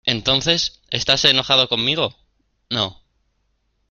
entonces, ¿ estás enojado conmigo? no.